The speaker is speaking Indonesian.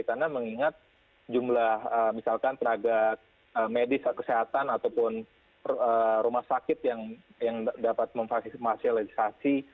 karena mengingat jumlah misalkan tenaga medis atau kesehatan ataupun rumah sakit yang dapat memfasilitasi